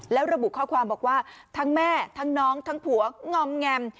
แล้วระบุข้อความบอกว่าทั้งแม่ทั้งน้องทั้งผัวงอมแงม